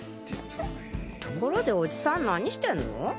ところでおじさん何してんの？